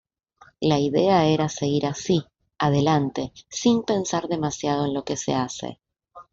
La idea era seguir así, adelante, sin pensar demasiado en lo que se hace.